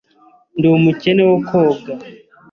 Ndi umukene wo koga.